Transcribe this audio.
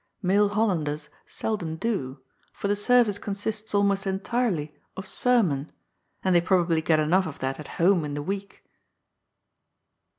Male Hollanders seldom do, for the service consists almost entirely of sermon, and they probably get enough of that at home in the week.